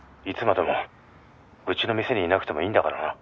「いつまでもうちの店にいなくてもいいんだからな」